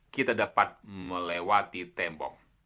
kita dapat melewati tembok